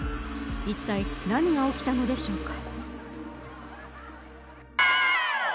いったい何が起きたのでしょうか。